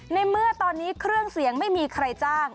ในเมื่อตอนนี้เครื่องเสียงไม่มีใครจ้าง